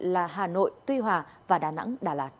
là hà nội tuy hòa và đà nẵng